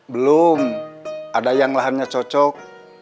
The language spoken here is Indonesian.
belum ada yang lahannya cocok